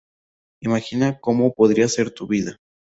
Imagina cómo podría ser tu vida.